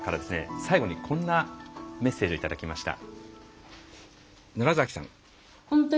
最後にこんなメッセージをいただきました。